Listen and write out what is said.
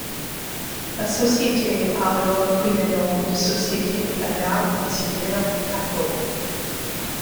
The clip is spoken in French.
La société a alors pris le nom de Société Pelnard-Considère-Caquot.